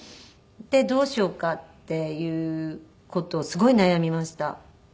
でどうしようかっていう事をすごい悩みました。